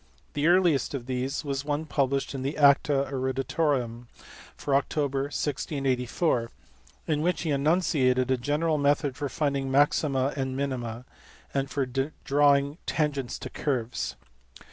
The earliest of these was one published in the Acta Eruditorum for October, 1684, in which he enunciated a general method for finding maxima and minima, and for drawing tangents to curves.